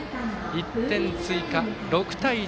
１点追加、６対１。